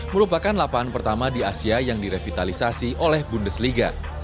merupakan lapangan pertama di asia yang direvitalisasi oleh bundesliga